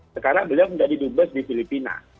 sekarang beliau menjadi dubes di filipina